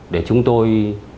để chúng tôi